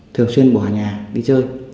thường xuyên bỏ nhà đi chơi